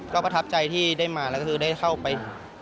ก็ประทับใจที่ได้มาแค่ได้เข้าไป